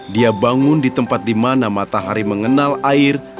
dia bangun di tempat di mana matahari mengenal air